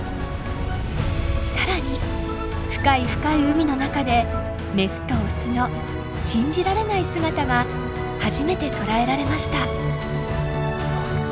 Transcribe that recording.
更に深い深い海の中でメスとオスの信じられない姿が初めて捉えられました。